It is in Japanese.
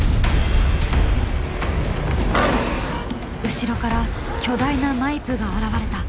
後ろから巨大なマイプが現れた。